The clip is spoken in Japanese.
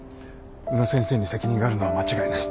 宇野先生に責任があるのは間違いない。